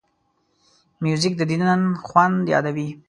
موزیک د دیدن خوند یادوي.